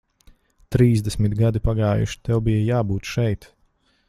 Trīsdesmit gadi pagājuši, tev bija jābūt šeit.